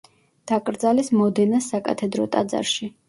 დაკრძალეს მოდენას საკათედრო ტაძარში.